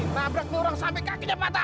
labraknya orang sampai kakinya patah